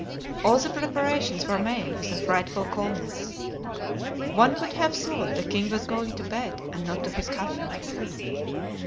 All the preparations were made with a frightful calmness. One would have thought the king was going to bed and not to his coffin.